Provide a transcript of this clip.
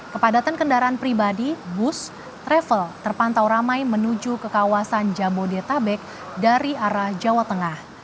kepadatan kendaraan pribadi bus travel terpantau ramai menuju ke kawasan jabodetabek dari arah jawa tengah